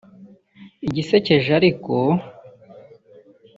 Igisekeje ariko